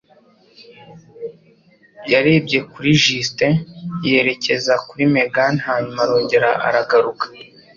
Yarebye kuri Justin yerekeza kuri Megan hanyuma arongera aragaruka.